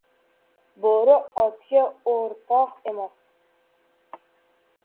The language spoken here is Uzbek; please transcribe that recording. • Bo‘ri otga o‘rtoq emas.